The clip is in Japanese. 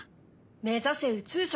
目指せ宇宙食！